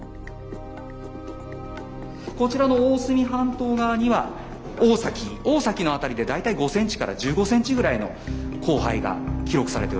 こちらの大隅半島側には大崎の辺りで大体５センチから１５センチぐらいの降灰が記録されております。